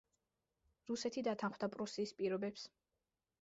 რუსეთი დათანხმდა პრუსიის პირობებს.